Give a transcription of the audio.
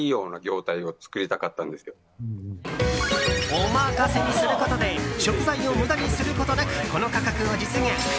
お任せにすることで食材を無駄にすることなくこの価格を実現。